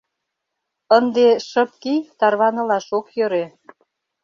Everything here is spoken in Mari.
— Ынде шып кий, тарванылаш ок йӧрӧ.